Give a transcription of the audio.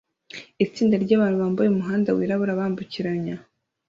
itsinda ryabantu bambaye umuhanda wirabura wambukiranya